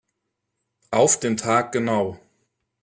Auf den Tag genau.